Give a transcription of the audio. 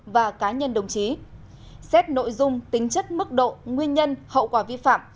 và cá nhân đồng chí xét nội dung tính chất mức độ nguyên nhân hậu quả vi phạm